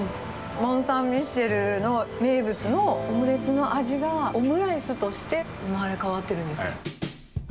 モン・サン・ミシェルの名物のオムレツの味が、オムライスとして生まれ変わってるんですね。